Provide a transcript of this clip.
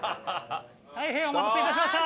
大変お待たせ致しました！